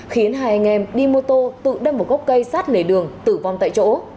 khiến hai anh em đi mô tô tự đâm vào gốc cây sát lề đường tử vong tại chỗ